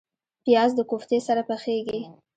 پیاز د کوفتې سره پخیږي